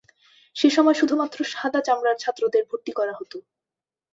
সে সময় শুধুমাত্র সাদা চামড়ার ছাত্রদের ভর্তি করা হতো।